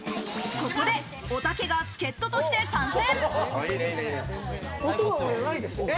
ここで、おたけが助っ人として参戦。